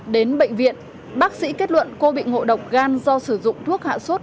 đến bệnh viện bác sĩ kết luận cô bị ngộ độc gan do sử dụng thuốc hạ sốt